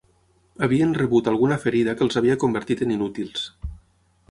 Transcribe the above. Havien rebut alguna ferida que els havia convertit en inútils